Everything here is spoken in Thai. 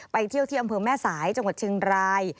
เที่ยวที่อำเภอแม่สายจังหวัดเชียงราย